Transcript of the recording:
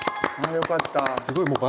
よかった。